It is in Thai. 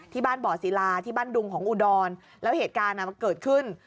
บ้านบ่อศิลาที่บ้านดุงของอุดรแล้วเหตุการณ์มันเกิดขึ้น